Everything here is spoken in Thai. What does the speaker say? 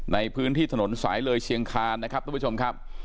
ในพื้นที่ถนนสายเลยเชียงคานนะครับทุกผู้ชมครับ